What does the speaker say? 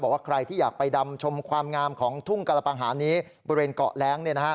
บอกว่าใครที่อยากไปดำชมความงามของทุ่งกระปังหารนี้บริเวณเกาะแร้ง